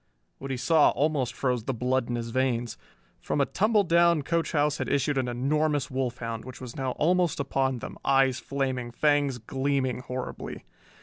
What he saw almost froze the blood in his veins. From a tumbledown coach house had issued an enormous wolf hound which was now almost upon then, eyes flaming, fangs gleaming horribly.